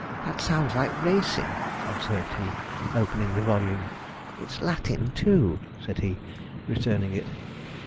'That sounds like racin',' observed he, opening the volume, 'it's Latin too,' said he, returning it.